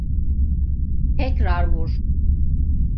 Tekrar vur.